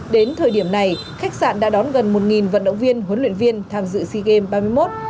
đến thời điểm này khách sạn đã đón gần một vận động viên huấn luyện viên tham dự sea games ba mươi một